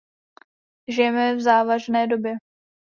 Žijeme v závažné době.